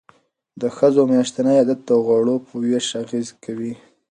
د ښځو میاشتنی عادت د غوړو په ویش اغیز کوي.